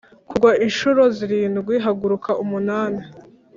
kugwa inshuro zirindwi, haguruka umunani